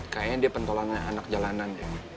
kayaknya dia pentolan anak jalanan